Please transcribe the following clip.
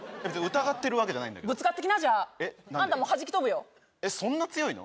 疑ってるわけじゃないんだけどぶつかってきなじゃああんたもうはじき飛ぶよえっそんな強いの？